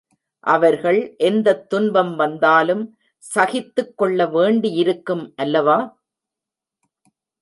அவர்கள் எந்தத் துன்பம் வந்தாலும் சகித்துக் கொள்ள வேண்டியிருக்கும் அல்லவா?